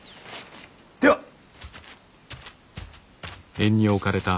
では！